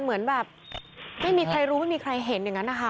เหมือนแบบไม่มีใครรู้ไม่มีใครเห็นอย่างนั้นนะคะ